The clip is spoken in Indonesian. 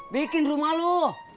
bikin rumah lo